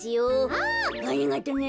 あありがとね。